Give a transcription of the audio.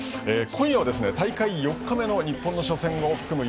今夜は大会４日目の日本の初戦を含む